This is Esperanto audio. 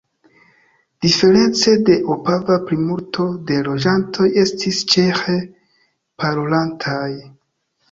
Diference de Opava plimulto de loĝantoj estis ĉeĥe parolantaj.